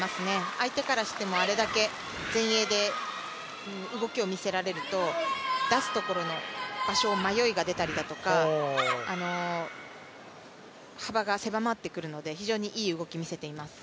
相手からしても、あれだけ前衛で動きを見せられると出すところの場所を迷いが出たりだとか幅が狭まってくるので非常にいい動き見せています。